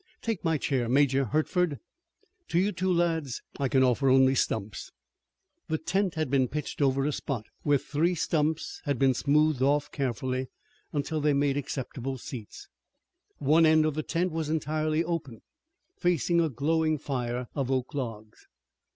Take my chair, Major Hertford. To you two lads I can offer only stumps." The tent had been pitched over a spot where three stumps had been smoothed off carefully until they made acceptable seats. One end of the tent was entirely open, facing a glowing fire of oak logs.